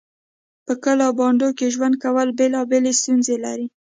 په کليو او بانډو کې ژوند کول بيلابيلې ستونزې لري